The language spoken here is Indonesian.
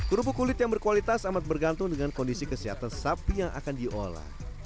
kerupuk kulit yang berkualitas amat bergantung dengan kondisi kesehatan sapi yang akan diolah